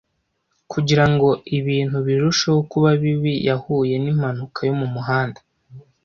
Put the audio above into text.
Kugira ngo ibintu birusheho kuba bibi, yahuye n'impanuka yo mu muhanda.